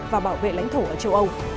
và bảo vệ lãnh thổ ở châu âu